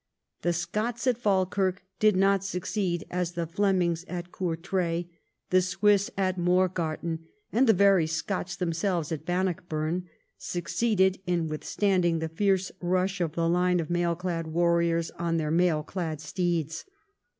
The Scots at Falkirk did not succeed as the Flemings at Courtrai, the Swiss at Morgarten, and the very Scots themselves at Bannockburn, succeeded in withstanding the fierce rush of the line of mail clad warriors on their mail clad steeds.